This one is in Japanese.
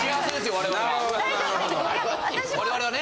我々はね